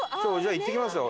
行ってきますわ俺。